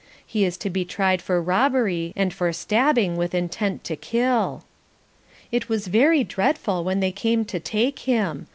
He is to be tried for robbery and for stabbing with intent to kill. It was very dreadful when they came to take him.